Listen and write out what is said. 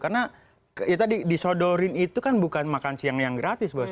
karena ya tadi disodorin itu kan bukan makan siang yang gratis bos